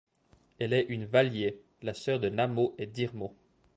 Elle est une Valië, la sœur de Námo et d'Irmo.